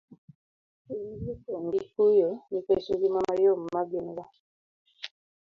chunygi opong' gi kuyo nikech ngima mayom ma gin go.